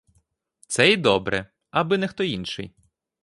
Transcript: Це й добре; аби не хто інший.